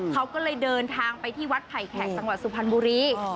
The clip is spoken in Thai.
เขาก็เลยเดินทางไปที่วัดไผ่แขกจังหวัดสุพรรณบุรี